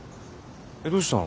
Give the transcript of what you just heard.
どうしたの？